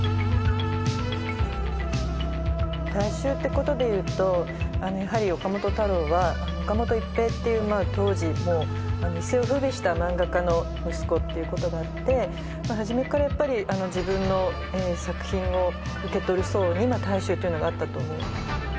大衆ってことでいうとやはり岡本太郎は岡本一平っていう当時一世を風靡した漫画家の息子っていうことがあって初めからやっぱり自分の作品を受け取る層に大衆っていうのがあったと思う。